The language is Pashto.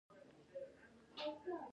سل د بشر لاسته راوړنه ده